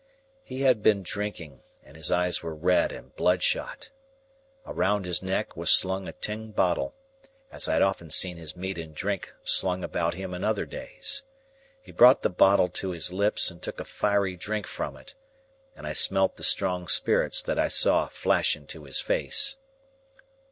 He had been drinking, and his eyes were red and bloodshot. Around his neck was slung a tin bottle, as I had often seen his meat and drink slung about him in other days. He brought the bottle to his lips, and took a fiery drink from it; and I smelt the strong spirits that I saw flash into his face.